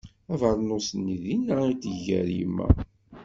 Abernus-nni dinna i t-teggar yemma.